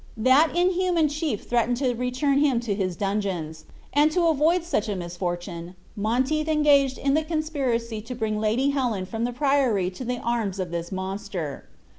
That inhuman chief threatened to return him to his dungeons; and to avoid such a misfortune, Monteith engaged in the conspiracy to bring Lady Helen from the priory to the arms of this monster.